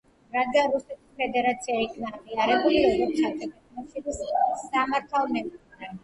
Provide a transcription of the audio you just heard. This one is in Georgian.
რადგან რუსეთის ფედერაცია იქნა აღიარებული როგორც საბჭოთა კავშირის სამართალმემკვიდრე.